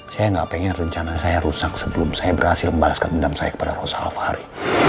saya gak pengen rencana saya rusak sebelum saya berhasil membalaskan dendam saya kepada rosa lafari